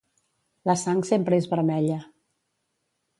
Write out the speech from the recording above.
La sang sempre és vermella.